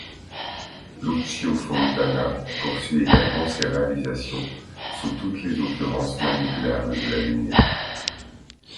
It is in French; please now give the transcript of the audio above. Lucio Fontana poursuit également ses réalisations sous toutes les occurrences manipulables de la lumière.